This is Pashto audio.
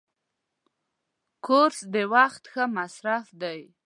کورس د وخت ښه مصرف دی.